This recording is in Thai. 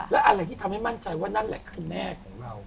และอะไรที่ทำให้มั่นใจว่านั่นแหละคือแม่ของเรา